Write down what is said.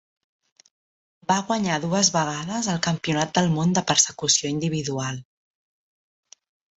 Va guanyar dues vegades el Campionat del món de persecució individual.